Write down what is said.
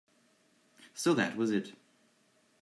So that was it.